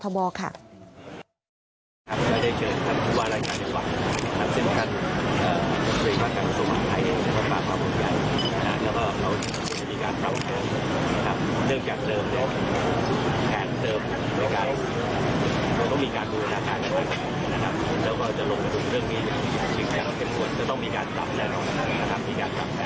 ต้องมีการปรับแผนบูรณาการต้องมีการตรับแผนแน่นอน